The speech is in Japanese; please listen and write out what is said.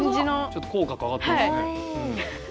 ちょっと口角上がってますね。